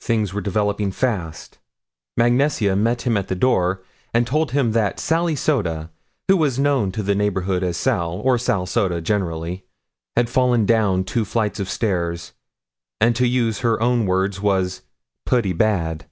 Things were developing fast. Mag Nesia met him at the door and told him that Sally Soda, who was known to the neighborhood as Sal or Sal Soda generally, had fallen down two flights of stairs, and to use her own words was "Putty bad."